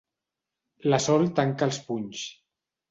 La Sol tanca els punys.